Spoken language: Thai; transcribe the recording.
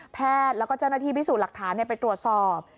แพทย์แล้วก็เจ้าหน้าที่พิสูจน์หลักฐานไปตรวจสอบ